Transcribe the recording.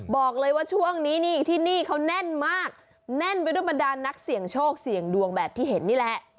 บอกเลยว่าช่วงนี้นี่ที่นี่เขาแน่นมากแน่นไปด้วยบรรดานนักเสี่ยงโชคเสี่ยงดวงแบบที่เห็นนี่แหละ